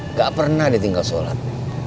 nggak pernah ditinggal sholat